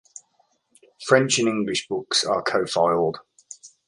French and English books are co-filed.